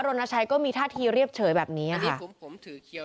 รณชัยก็มีท่าทีเรียบเฉยแบบนี้